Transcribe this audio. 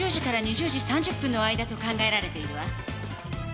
２０時２０時３０分の間と考えられているわ。